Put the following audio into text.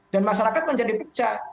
dan masyarakat menjadi pecah